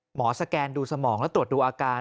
สแกนดูสมองและตรวจดูอาการ